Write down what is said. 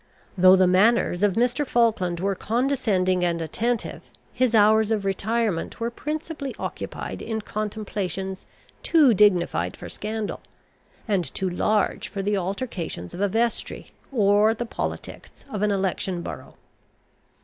Though the manners of Mr. Falkland were condescending and attentive, his hours of retirement were principally occupied in contemplations too dignified for scandal, and too large for the altercations of a vestry, or the politics of an election borough.